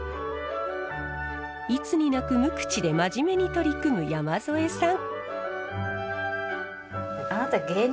いつになく無口で真面目に取り組む山添さん。